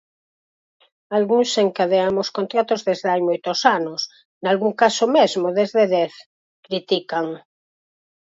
"Algúns encadeamos contratos desde hai moitos anos, nalgún caso mesmo desde dez", critican.